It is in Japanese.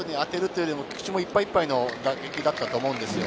バットに当てるというより菊池もいっぱいいっぱいの打撃だったと思うんですよ。